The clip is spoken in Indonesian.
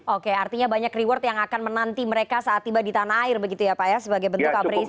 oke artinya banyak reward yang akan menanti mereka saat tiba di tanah air begitu ya pak ya sebagai bentuk apresiasi